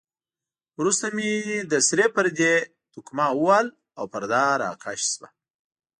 وروسته مې د سرې پردې تقمه ووهل او پرده را کش شوه.